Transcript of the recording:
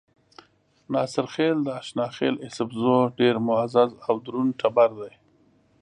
ناصرخېل د اشاخېل ايسپزو ډېر معزز او درون ټبر دے۔